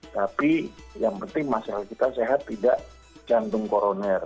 tapi yang penting masalah kita sehat tidak gantung koroner